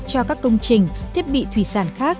cho các công trình thiết bị thủy sản khác